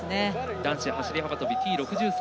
男子走り幅跳びＴ６３